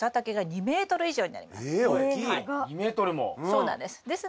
そうなんです。